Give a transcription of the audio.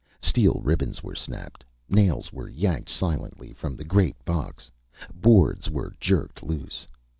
Steel ribbons were snapped, nails were yanked silently from the great box, boards were jerked loose.